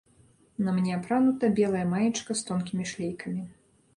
На мне апранута белая маечка з тонкімі шлейкамі.